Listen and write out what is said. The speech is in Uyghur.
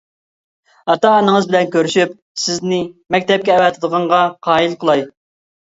ئاتا-ئانىڭىز بىلەن كۆرۈشۈپ، سىزنى مەكتەپكە ئەۋەتىدىغانغا قايىل قىلاي.